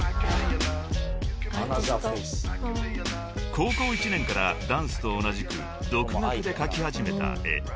［高校１年からダンスと同じく独学で描き始めた絵］